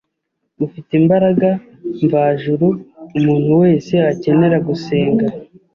ufite imbaraga mvajuru, umuntu wese akenera gusenga